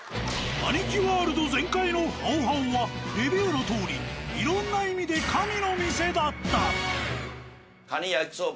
アニキワールド全開の「好好」はレビューのとおりいろんな意味で神の店だった。